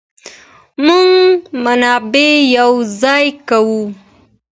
موږ منابع يو ځای کوو.